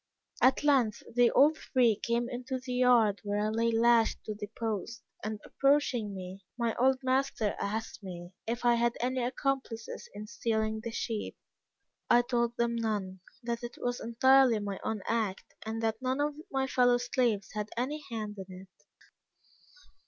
At length they all three came into the yard where I lay lashed to the post, and approaching me, my old master asked me if I had any accomplices in stealing the sheep. I told them none that it was entirely my own act and that none of my fellow slaves had any hand in it.